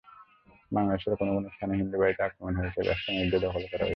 বাংলাদেশের কোনো কোনো স্থানে হিন্দু বাড়িতে আক্রমণ হয়েছে, ব্যবসা-বাণিজ্য দখল করা হয়েছে।